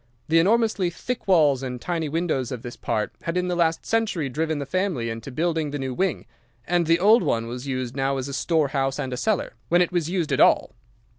The enormously thick walls and tiny windows of this part had in the last century driven the family into building the new wing, and the old one was used now as a storehouse and a cellar, when it was used at all.